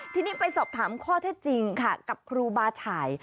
ทีนี้ไปสอบถามข้อเท็จจริงค่ะกับครูบาฉ่าย